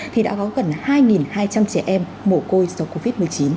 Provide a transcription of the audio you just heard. thì đã có gần hai hai trăm linh trẻ em mổ côi do covid một mươi chín